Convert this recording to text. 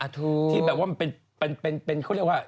ถูกที่แบบว่ามันเป็นเขาเรียกว่า